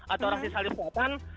atau rahasi salih sultan